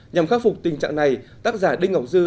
nhằm khắc phục tình trạng này tác giả đinh ngọc dư